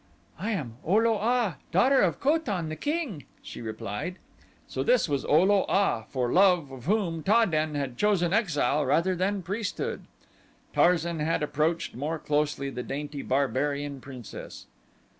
"I am O lo a, daughter of Ko tan, the king," she replied. So this was O lo a, for love of whom Ta den had chosen exile rather than priesthood. Tarzan had approached more closely the dainty barbarian princess.